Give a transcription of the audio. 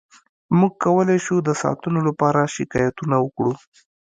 موږ کولی شو د ساعتونو لپاره شکایتونه وکړو